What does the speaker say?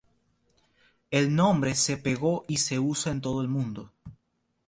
El nombre se pegó y se usa en todo el mundo.